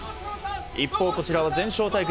一方、こちらは全勝対決。